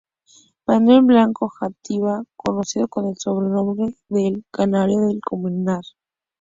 Manuel Blanco Játiva conocido con el sobrenombre de "el canario de Colmenar".